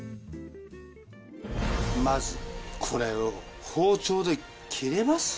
まず、これを包丁で切れます？